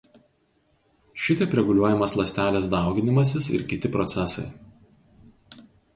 Šitaip reguliuojamas ląstelės dauginimasis ir kiti procesai.